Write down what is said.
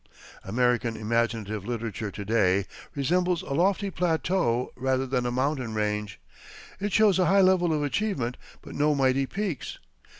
American imaginative literature to day resembles a lofty plateau rather than a mountain range. It shows a high level of achievement, but no mighty peaks.